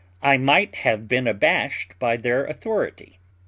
"I might have been abashed by their authority."